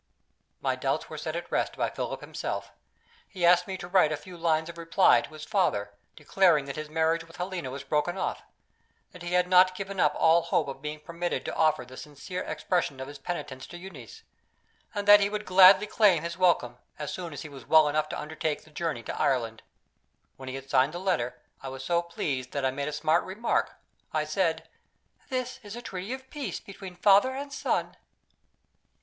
My doubts were set at rest by Philip himself. He asked me to write a few lines of reply to his father; declaring that his marriage with Helena was broken off that he had not given up all hope of being permitted to offer the sincere expression of his penitence to Euneece and that he would gladly claim his welcome, as soon as he was well enough to undertake the journey to Ireland. When he had signed the letter, I was so pleased that I made a smart remark. I said: "This is a treaty of peace between father and son."